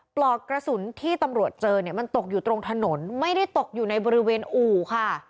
ปลอกกระสุนที่ตำรวจเจอเนี่ยมันตกอยู่ตรงถนนไม่ได้ตกอยู่ในบริเวณอู่ค่ะ